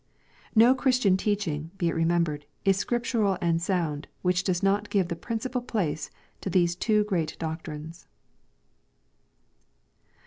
No Christian teaching, be it remembered, is scriptural and sound which does not give the principal place to these two great doc trines.